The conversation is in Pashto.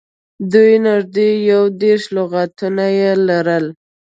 دوی نږدې یو دېرش لغاتونه یې لرل.